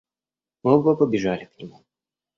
Оба побежали к нему.